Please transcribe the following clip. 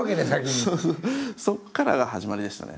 そこからが始まりでしたね。